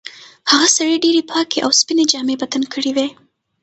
هغه سړي ډېرې پاکې او سپینې جامې په تن کړې وې.